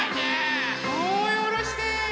はいおろして。